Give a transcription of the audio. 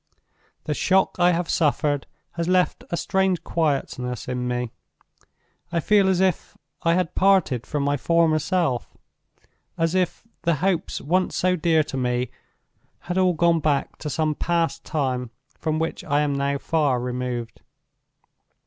"The shock I have suffered has left a strange quietness in me. I feel as if I had parted from my former self—as if the hopes once so dear to me had all gone back to some past time from which I am now far removed.